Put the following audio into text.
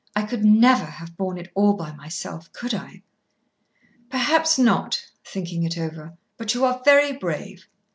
I could never have borne it all by myself. Could I?" "Perhaps not," thinking it over; "but you are very brave."